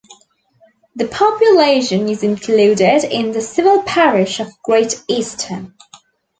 The population is included in the civil parish of Great Easton.